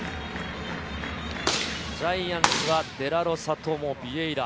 ジャイアンツはデラロサとビエイラ。